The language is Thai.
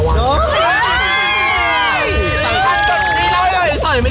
สำคัญทิ้ง